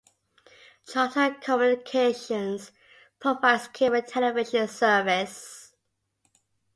Charter Communications provides cable television service.